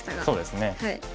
そうですね。